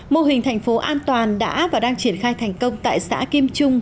mô hình thành phố an toàn đã và đang triển khai thành công tại xã kim trung